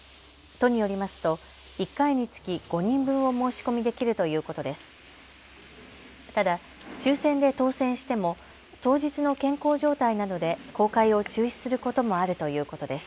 都によりますと１回につき５人分を申し込みできるということです。